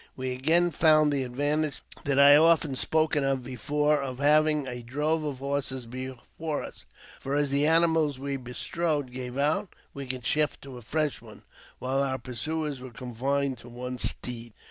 "We again found the advantage that I have often spoken of before of having a drove of horses before us, for, as the animals we bestrode gave out, we could shift to a fresh one, while our pursuers were confined to one steed.